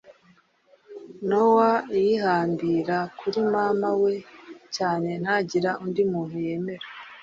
Noah yihambira kuri mama we cyane ntagire undi muntu yemera